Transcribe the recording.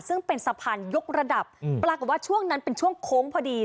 ซึ่งเป็นสะพานยกระดับปรากฏว่าช่วงนั้นเป็นช่วงโค้งพอดี